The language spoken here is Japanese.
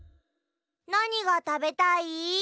なにがたべたい？